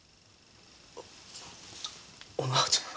お直ちゃん。